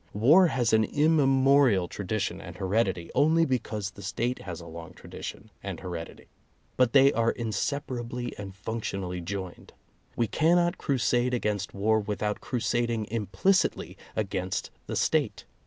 War has an immemorial tradition and heredity only because the State has a long tradition and heredity. But they are inseparably and function ally joined. We cannot crusade against war without crusading implicitly against the State.